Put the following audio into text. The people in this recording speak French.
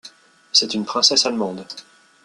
C’est une princesse allemande.